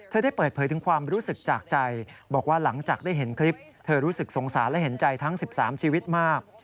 ได้เปิดเผยถึงความรู้สึกจากใจบอกว่าหลังจากได้เห็นคลิปเธอรู้สึกสงสารและเห็นใจทั้ง๑๓ชีวิตมาก